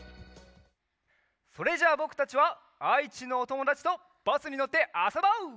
それじゃぼくたちはあいちのおともだちとバスにのってあそぼう！